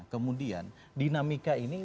kemudian dinamika ini